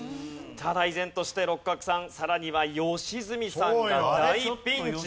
ただ依然として六角さんさらには良純さんが大ピンチですね。